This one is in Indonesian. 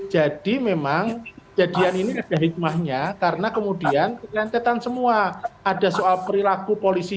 jadi memang kejadian ini ada hikmahnya karena kemudian kelantetan semua ada soal perilaku polisi